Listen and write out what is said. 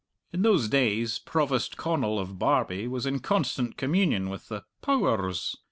In those days Provost Connal of Barbie was in constant communion with the "Pow ers."